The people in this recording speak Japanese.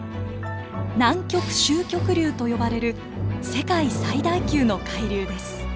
南極周極流と呼ばれる世界最大級の海流です。